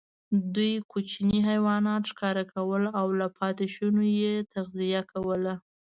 دوی کوچني حیوانات ښکار کول او له پاتېشونو یې تغذیه کوله.